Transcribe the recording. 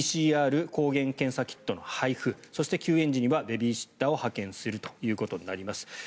ＰＣＲ・抗原検査キットの配布そして休園時にはベビーシッターを派遣するということになります。